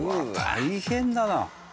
大変だな。